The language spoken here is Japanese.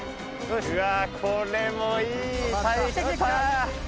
うわこれもいい対決だ。